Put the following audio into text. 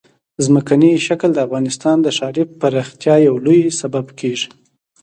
ځمکنی شکل د افغانستان د ښاري پراختیا یو لوی سبب کېږي.